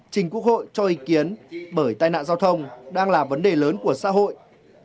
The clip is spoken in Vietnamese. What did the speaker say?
trình quốc hội cho ý kiến bởi tai nạn giao thông đang là vấn đề lớn của xã hội